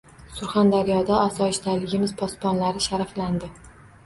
Surxondaryoda osoyishtaligimiz posbonlari sharaflandi